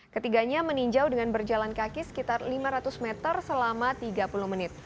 ketiganya meninjau dengan berjalan kaki sekitar lima ratus meter selama tiga puluh menit